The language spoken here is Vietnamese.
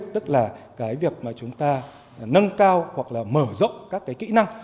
tức là việc chúng ta nâng cao hoặc mở rộng các kỹ năng